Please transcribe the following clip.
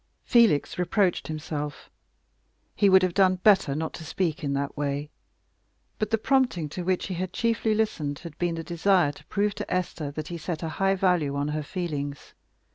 Felix reproached himself. He would have done better not to speak in that way. But the prompting to which he had chiefly listened had been the desire to prove to Esther that he set a high value on her feelings.